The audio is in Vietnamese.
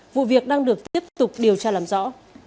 vụ việc đang được tiếp tục điều tra làm rõ